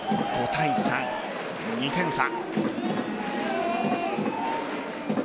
５対３２点差。